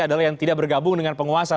adalah yang tidak bergabung dengan penguasa